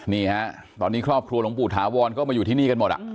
นี่ฮะตอนนี้ครอบครัวหลวงปู่ถาวรก็มาอยู่ที่นี่กันหมด